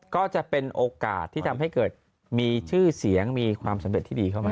ก็จะเป็นโอกาสที่ทำให้เกิดมีชื่อเสียงมีความสำเร็จที่ดีเข้ามา